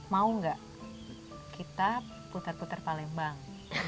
mau nggak kita putar putar palembang